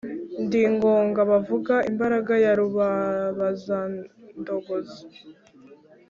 ndi ngoga bavuga imbaraga ya rubabazandongozi.